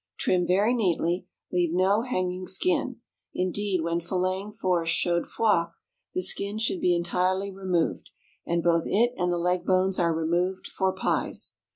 Trim very neatly; leave no hanging skin; indeed, when filleting for chaudfroids the skin should be entirely removed, and both it and the leg bones are removed for pies.